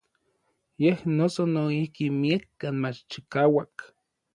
Yej noso noijki miekkan mach chikauak.